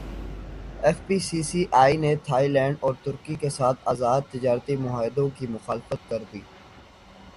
F P C C I نے Thailand اور ترکی کیساتھ ازاد تجارتی معاہدوں کی مخالفت کردی